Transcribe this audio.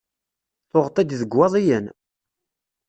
Tuɣeḍ-t-id deg Iwaḍiyen?